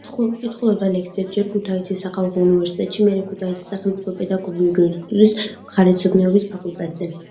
კითხულობდა ლექციებს ჯერ ქუთაისის სახალხო უნივერსიტეტში, მერე ქუთაისის სახელმწიფო პედაგოგიური ინსტიტუტის მხარეთმცოდნეობის ფაკულტეტზე.